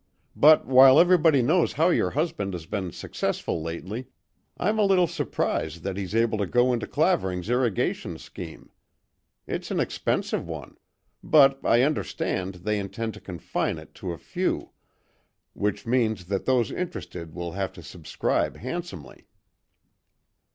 But while everybody knows how your husband has been successful lately, I'm a little surprised that he's able to go into Clavering's irrigation scheme. It's an expensive one; but I understand, they intend to confine it to a few, which means that those interested will have to subscribe handsomely."